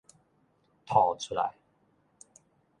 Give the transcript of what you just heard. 吐出來